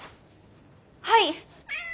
はい。